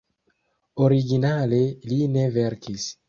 Originale li ne verkis.